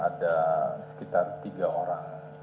ada sekitar tiga orang